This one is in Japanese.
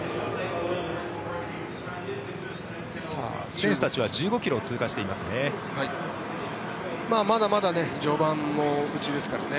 選手たちは１５ｋｍを通過していますね。